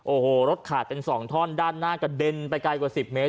โอ้โหรถขาดเป็น๒ท่อนด้านหน้ากระเด็นไปไกลกว่า๑๐เมตร